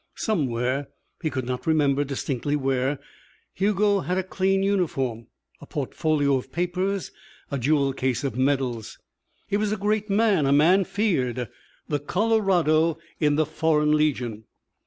Somewhere, he could not remember distinctly where, Hugo had a clean uniform, a portfolio of papers, a jewel case of medals. He was a great man a man feared. The Colorado in the Foreign Legion.